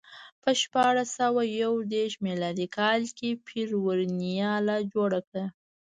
په شپاړس سوه یو دېرش میلادي کال کې پير ورنیه آله جوړه کړه.